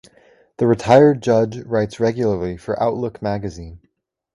The retired judge writes regularly for "Outlook Magazine".